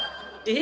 え！